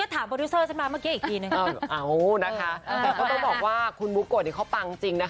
แต่ก็ต้องบอกว่าคุณบุ๊คโกฏเขาปั้งจริง